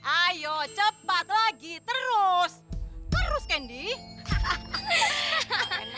ayo cepat lagi terus terus kendi